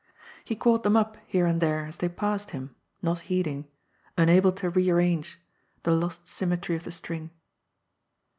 He caught them up here and there as they passed him, not heeding, unable to rearrange, the lost symmetry of the string.